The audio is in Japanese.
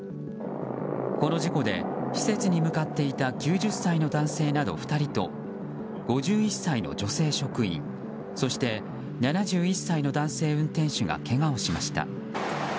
この事故で、施設に向かっていた９０歳の男性など２人と５１歳の女性職員そして７１歳の男性運転手がけがをしました。